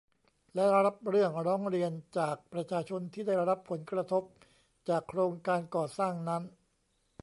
และรับเรื่องร้องเรียนจากประชาชนที่ได้รับผลกระทบจากโครงการก่อสร้างนั้น